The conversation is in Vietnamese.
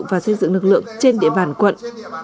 và xây dựng lực lượng trên địa bàn quận